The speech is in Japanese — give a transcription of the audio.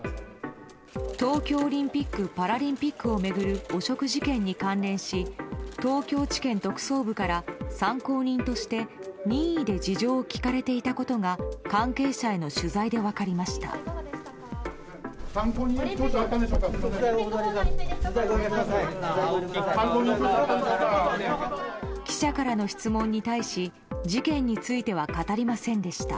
東京オリンピック・パラリンピックを巡る汚職事件に関連し東京地検特捜部から参考人として任意で事情を聴かれていたことが関係者への取材で分かりました。